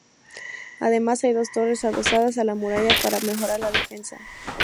Además hay dos torres adosadas a la muralla para mejorar la defensa.